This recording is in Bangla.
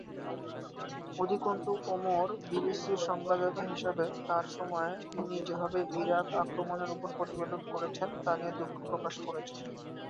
অধিকন্তু, ওমর বিবিসির সংবাদদাতা হিসাবে তাঁর সময়ে তিনি যেভাবে ইরাক আক্রমণ উপর প্রতিবেদন করেছেন তা নিয়ে দুঃখ প্রকাশ করেছেন।